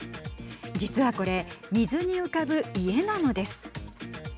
実は、これ水に浮かぶ家なのです。